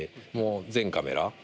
もう全カメラ。